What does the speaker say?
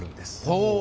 ほう！